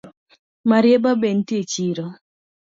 Marieba be nitie echiro?